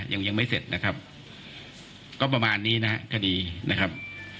ยังไม่เสร็จนะครับก็ประมาณนี้นะครับคดีนะครับ